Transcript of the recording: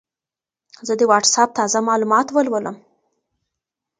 زه د وټساپ تازه معلومات ولولم.